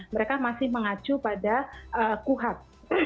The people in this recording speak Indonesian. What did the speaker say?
mereka masih mengacu pada kuhab